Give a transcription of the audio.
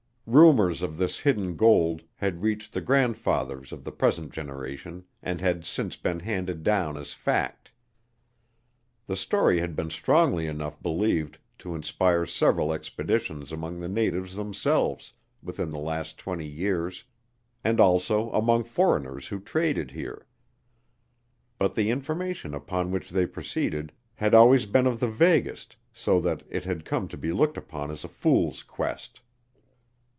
Rumors of this hidden gold had reached the grandfathers of the present generation and had since been handed down as fact. The story had been strongly enough believed to inspire several expeditions among the natives themselves within the last twenty years, and also among foreigners who traded here. But the information upon which they proceeded had always been of the vaguest so that it had come to be looked upon as a fool's quest.